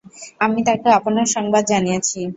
আমি তাকে আপনার সংবাদ জানিয়েছি।